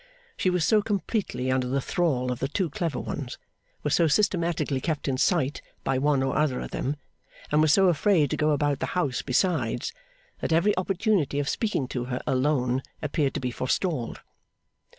She was so completely under the thrall of the two clever ones, was so systematically kept in sight by one or other of them, and was so afraid to go about the house besides, that every opportunity of speaking to her alone appeared to be forestalled.